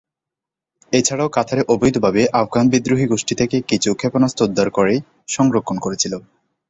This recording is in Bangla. এছাড়াও কাতার অবৈধভাবে আফগান বিদ্রোহী গোষ্ঠী থেকে কিছু ক্ষেপণাস্ত্র উদ্ধার করে সংরক্ষণ করেছিল।